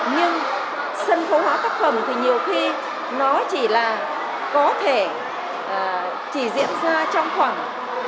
nhưng sân khấu hóa tác phẩm thì nhiều khi nó chỉ là có thể chỉ diễn ra trong khoảng